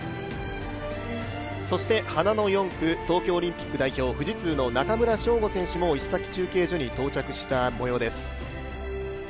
花の４区、東京オリンピック代表、富士通の中村匠吾選手も伊勢崎中継所に到着したもようです。